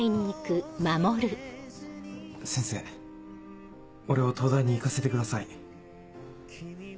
先生俺を東大に行かせてください。